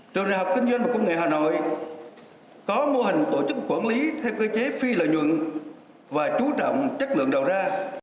trường đại học kinh doanh và công nghệ hà nội có mô hình tổ chức quản lý theo cơ chế phi lợi nhuận và chú trọng chất lượng đầu ra